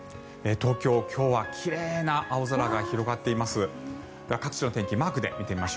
東京、今日は奇麗な青空が広がっています。